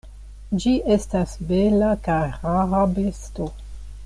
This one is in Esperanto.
Ĝi estas bela kaj rara besto.